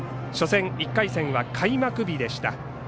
初戦、１回戦は開幕日でした。